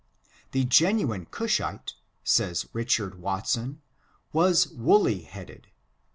The genuine Cushite, says Richard Watson, was woolly headed.